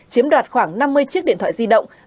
chiếm đoạt khoảng năm mươi chiếc điện thoại di động